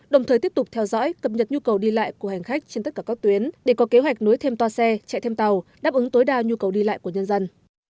đồng thời tiếp tục theo dõi cập nhật nhu cầu đi lại của hành khách trên tất cả các tuyến để có kế hoạch nối thêm toa xe chạy thêm tàu đáp ứng tối đa nhu cầu đi lại của nhân dân